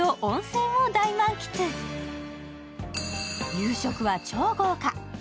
夕食は超豪華。